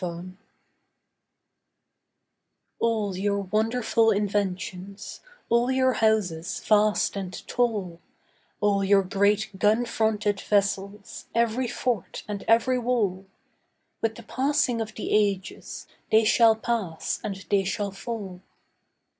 THE GOAL All your wonderful inventions, All your houses vast and tall, All your great gun fronted vessels, Every fort and every wall, With the passing of the ages, They shall pass and they shall fall.